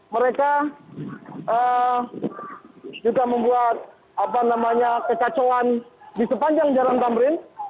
mereka juga membuat kekacauan di sepanjang jalan tamrin